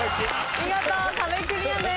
見事壁クリアです。